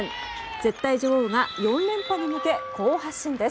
絶対女王が４連覇に向け好発進です。